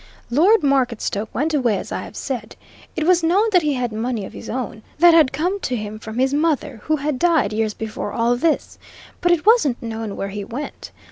Lord Marketstoke went away, as I have said. It was known that he had money of his own, that had come to him from his mother, who had died years before all this. But it wasn't known where he went.